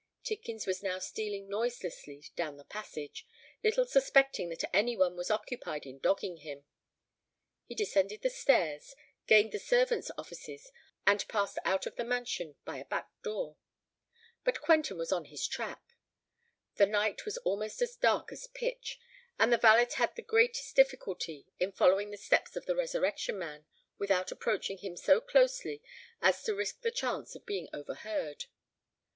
Tidkins was now stealing noiselessly down the passage, little suspecting that any one was occupied in dogging him. He descended the stairs, gained the servants' offices, and passed out of the mansion by a back door. But Quentin was on his track. The night was almost as dark as pitch; and the valet had the greatest difficulty in following the steps of the Resurrection Man without approaching him so closely as to risk the chance of being overheard.